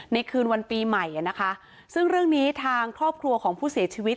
คืนวันปีใหม่นะคะซึ่งเรื่องนี้ทางครอบครัวของผู้เสียชีวิต